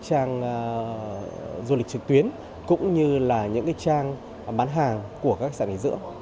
các trang du lịch trực tuyến cũng như là những trang bán hàng của các khách sạn nghỉ dưỡng